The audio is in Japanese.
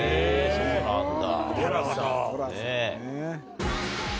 そうなんだ。